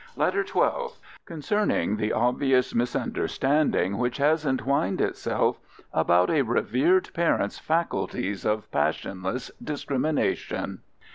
LETTER XII Concerning the obvious misunderstanding which has entwined itself about a revered parent's faculties of passionless discrimination.